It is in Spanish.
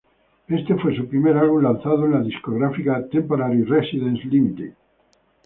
Este fue su primer álbum lanzado en la discográfica Temporary Residence Limited.